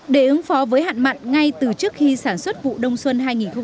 để ứng phó với hạn mặn ngay từ trước khi sản xuất vụ đông xuân hai nghìn một mươi chín hai nghìn hai mươi